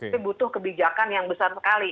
tapi butuh kebijakan yang besar sekali